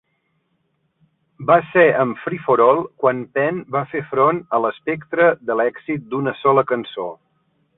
Va ser amb "Free-for-All" quan Penn va fer front a l'espectre de l'èxit d'una sola cançó.